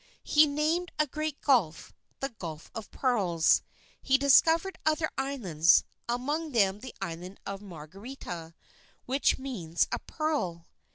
He named a great gulf, the Gulf of Pearls. He discovered other islands, among them the island of Margarita, which means a pearl.